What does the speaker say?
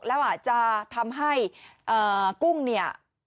แล้วอาจจะทำให้กุ้งเนี่ย